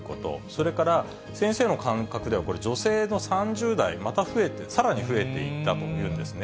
それから先生の感覚ではこれ、女性の３０代、また増えて、さらに増えていったというんですね。